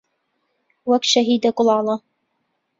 وەک شەهیدە گوڵاڵە